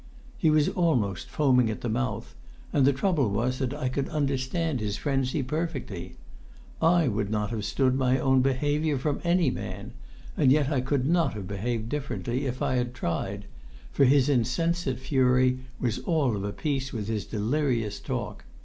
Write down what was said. He was almost foaming at the mouth, and the trouble was that I could understand his frenzy perfectly. I would not have stood my own behaviour from any man, and yet I could not have behaved differently if I had tried, for his insensate fury was all of a piece with his delirious talk.